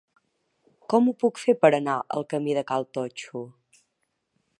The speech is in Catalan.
Com ho puc fer per anar al camí de Cal Totxo?